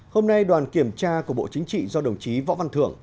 hôm nay đoàn kiểm tra của bộ chính trị do đồng chí võ văn thưởng